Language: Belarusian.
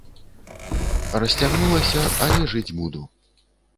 Расцягнулася, але жыць буду.